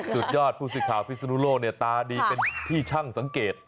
สุดยอดผู้สื่อข่าวพิศนุโลกเนี่ยตาดีเป็นที่ช่างสังเกต